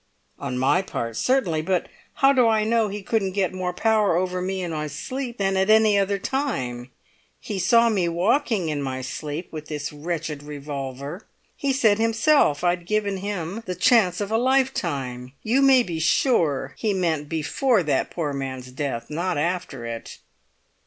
"On my part, certainly; but how do I know he couldn't get more power over me in my sleep than at any other time? He saw me walking in my sleep with this wretched revolver. He said himself I'd given him the chance of a lifetime. You may be sure he meant before that poor man's death, not after it."